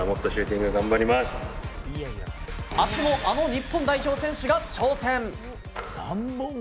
明日もあの日本代表選手が挑戦。